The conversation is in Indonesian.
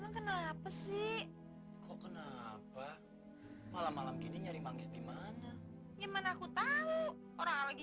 kenapa sih kok kenapa malam malam kini nyari manggis dimana yang mana aku tahu orang lagi